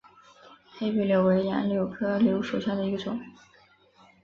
黑皮柳为杨柳科柳属下的一个种。